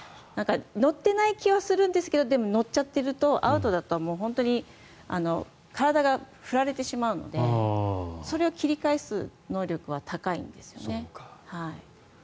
乗ってない気はするんですけどでも、乗っちゃってるとアウトだと本当に体が振られてしまうのでそれを切り返す能力は高いんですよね。